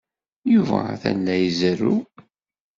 Yuba atan la izerrew.